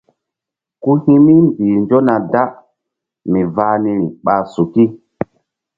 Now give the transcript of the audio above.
Ku hi̧ mi mbih nzona da mi vah niri ɓa suki.